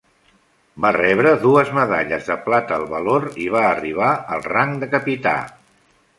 Va rebre dues medalles de plata al valor i va arribar al rang de capità.